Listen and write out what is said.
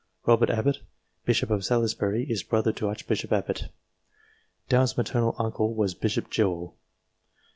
Robert Abbot, Bishop of Salisbury, is brother to Archbishop Abbot. Downe's maternal uncle was Bishop Jewell.